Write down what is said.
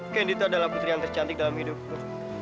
candi itu adalah putri yang tercantik dalam hidupku